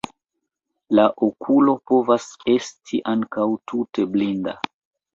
La okulo povas esti ankaŭ tute blinda.